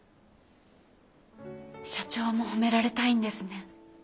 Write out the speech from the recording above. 社長も褒められたいんですね。